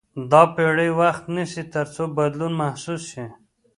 دا پېړۍ وخت نیسي تر څو بدلون محسوس شي.